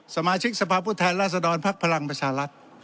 สมาชิกสภาพุทธแทนราศดรพลักษณ์พลังบัญชารัฐ